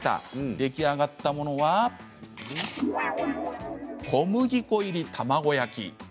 出来上がったのは小麦粉入り卵焼きでした。